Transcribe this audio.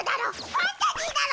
ファンタジーだろ！